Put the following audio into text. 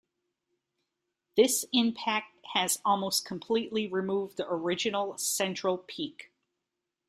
This impact has almost completely removed the original central peak.